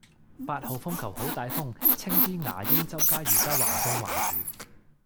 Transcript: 八號風球好大風，青衣牙鷹洲街依家橫風橫雨